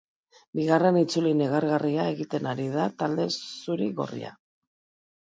Bigarren itzuli negargarria egiten ari da talde zuri-gorria.